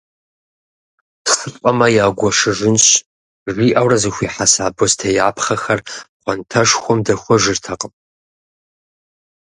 «Сылӏэмэ, ягуэшыжынщ» жиӏэурэ, зэхуихьэса бостеяпхъэхэр пхъуантэшхуэм дэхуэжыртэкъым.